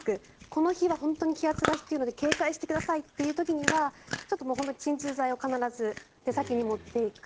この日は本当に気圧が低いので警戒してくださいという時には鎮痛剤を出先に持っていく。